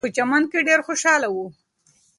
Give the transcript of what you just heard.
ماشومان په چمن کې ډېر خوشحاله وو.